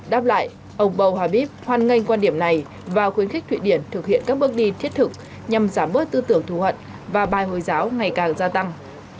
đáp lại ông buhabib hoan nghênh quan điểm này và khuyến khích thụy điển thực hiện các bước đi thiết thực nhằm giảm bớt tư tưởng thù hận và bài hồi giáo ngày càng gia tăng